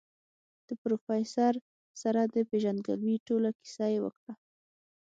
د پروفيسر سره د پېژندګلوي ټوله کيسه يې وکړه.